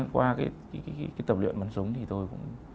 cái tập luyện bắn súng thì tôi cũng